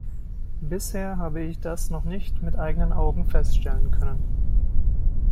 Bisher habe ich das noch nicht mit eigenen Augen feststellen können.